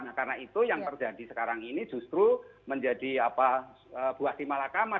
nah karena itu yang terjadi sekarang ini justru menjadi apa buah timal akamah